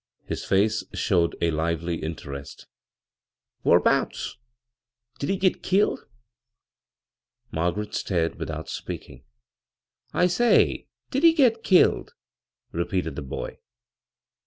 His face ^owed a lively interest " Whar 'bouts ? Did he git killed ?" Margaret stared without speaking. " I say, did he git killed ?" repeated tha boy.